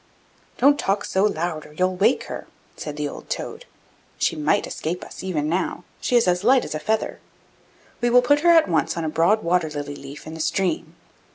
'Don't talk so load, or you'll wake her,' said the old toad. 'She might escape us even now; she is as light as a feather. We will put her at once on a broad water lily leaf in the stream.